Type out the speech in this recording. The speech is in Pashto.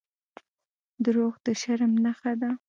• دروغ د شرم نښه ده.